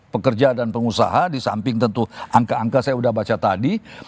pekerja dan pengusaha disamping tentu angka angka saya sudah baca tadi